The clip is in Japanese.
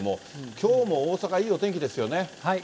きょうも大阪、いいお天気ですよね。